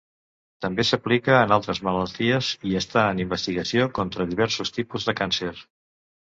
També s'aplica en altres malalties i està en investigació contra diversos tipus de càncer.